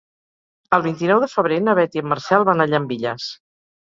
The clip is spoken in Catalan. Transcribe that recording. El vint-i-nou de febrer na Beth i en Marcel van a Llambilles.